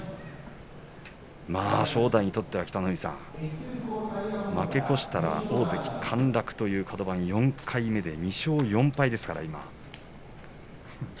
正代にとっては北の富士さん負け越したら大関陥落というカド番、４回目です。